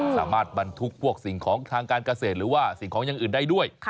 สามารถบรรทุกพวกสิ่งของทางการเกษตรหรือว่าสิ่งของอย่างอื่นได้ด้วย